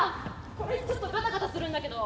これちょっとガタガタするんだけど。